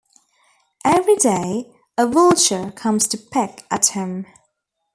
Every day, a Vulture comes to peck at him.